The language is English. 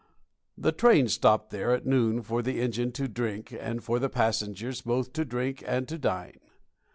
The train stopped there at noon for the engine to drink and for the passengers both to drink and to dine.